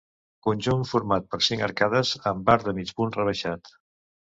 Conjunt format per cinc arcades, amb arc de mig punt rebaixat.